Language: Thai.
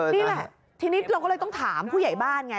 นี่แหละทีนี้เราก็เลยต้องถามผู้ใหญ่บ้านไง